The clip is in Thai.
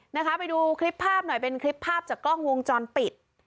นะคะไปดูคลิปภาพหน่อยเป็นคลิปภาพจากกล้องวงจรปิด